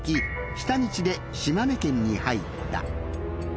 下道で島根県に入った。